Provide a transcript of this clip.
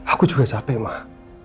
aku juga capek mah